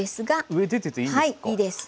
上出てていいんですか？